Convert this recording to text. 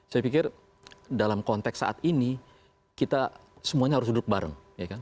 saya pikir dalam konteks saat ini kita semuanya harus duduk bareng